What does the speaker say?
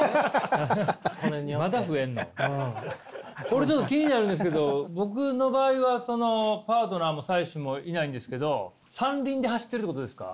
これちょっと気になるんですけど僕の場合はそのパートナーも妻子もいないんですけど３輪で走ってるってことですか？